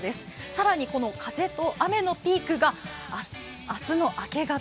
更に、この風と雨のピークが明日の明け方。